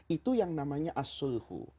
itu yang namanya asulhu